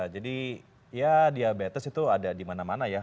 jadi ya diabetes itu ada di mana mana ya